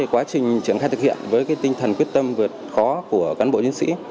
quá trình triển khai thực hiện với tinh thần quyết tâm vượt khó của cán bộ nhân sĩ